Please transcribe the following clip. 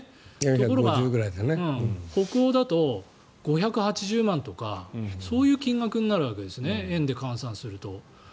ところが北欧だと５８０万とかそういう金額になるわけですね円で換算すると。